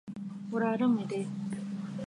وراره مې دی.